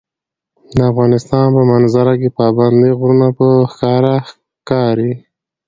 د افغانستان په منظره کې پابندي غرونه په ښکاره ښکاري.